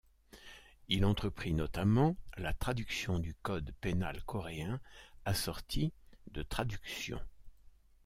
Il entreprit notamment la traduction du code pénal coréen, assorti de traduction.